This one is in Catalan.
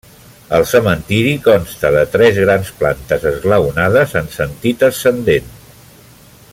El cementiri consta de tres grans plantes esglaonades en sentit ascendent.